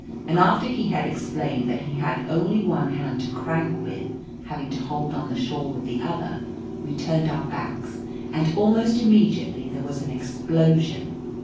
And after he had explained that he had only one hand to crank with, having to hold on the shawl with the other, we turned our backs, and almost immediately there was an explosion.